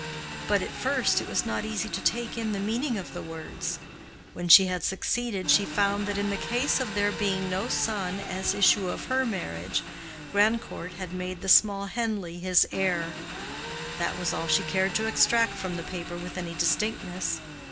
But at first it was not easy to take in the meaning of the words. When she had succeeded, she found that in the case of there being no son as issue of her marriage, Grandcourt had made the small Henleigh his heir; that was all she cared to extract from the paper with any distinctness.